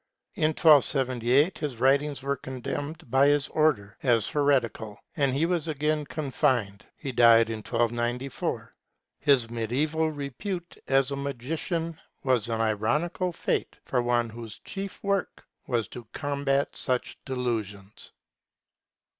In 1278 his writings were condemned by his Order as heretical, and he was again confined. He died in 1294. His mediaeval repute as a magician was an ironical fate for one whose chief work was to combat such delusions.